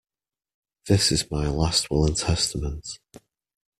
This is my last will and testament.